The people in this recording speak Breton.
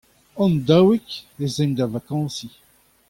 Hon-daouik ez aimp da vakañsiñ.